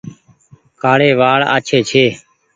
ڪآڙي وآڙ آڇي ڇي۔